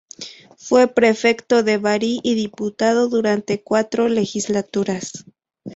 Fue prefecto de Bari y diputado durante cuatro legislaturas.